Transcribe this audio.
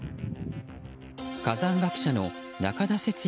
火山学者の中田節也